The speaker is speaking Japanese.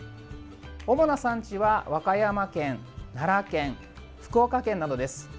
主な産地は和歌山県、奈良県福岡県などです。